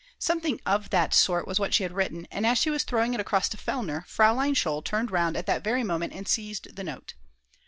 Something of that sort was what she had written and as she was throwing it across to Fellner, Fraulein Scholl turned round at that very moment and seized the note.